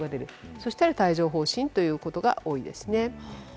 そしたら帯状疱疹ということが多いですね。